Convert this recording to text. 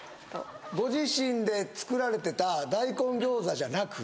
ご自身で作られてた大根餃子じゃなく？